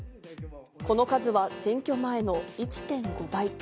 この数は選挙前の１．５倍。